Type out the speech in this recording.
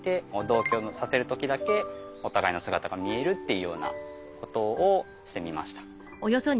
同居させる時だけお互いの姿が見えるっていうようなことをしてみました。